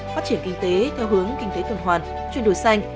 phát triển kinh tế theo hướng kinh tế tuần hoàn chuyển đổi xanh